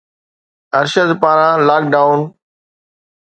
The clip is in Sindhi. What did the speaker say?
ارشد پاران لاڪ ڊائون